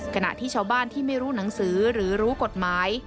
ขณะที่ชาวบ้านที่ไม่รู้หนังสือหรือรู้กฎหมาย